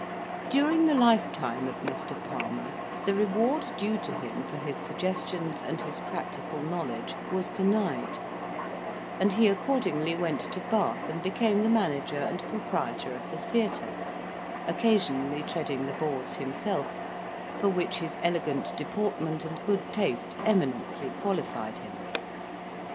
During the lifetime of Mr. Palmer, the reward due to him for his suggestions and his practical knowledge was denied; and he accordingly went to Bath, and became the manager and proprietor of the theatre, occasionally treading the boards himself, for which his elegant deportment and good taste eminently qualified him.